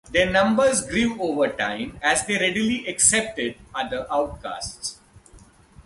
Their numbers grew over time as they readily accepted other outcasts.